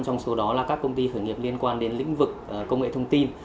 trong số đó là các công ty khởi nghiệp liên quan đến lĩnh vực công nghệ thông tin